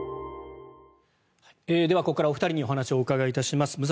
ここからお二人にお話をお伺いいたします。